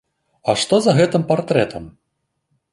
А што за гэтым партрэтам?